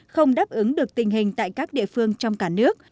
không đáp ứng được tình hình tại các địa phương trong cả nước